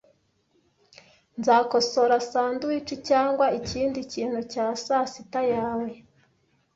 Nzakosora sandwich cyangwa ikindi kintu cya sasita yawe .